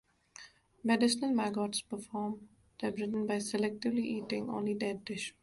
Medicinal maggots perform debridement by selectively eating only dead tissue.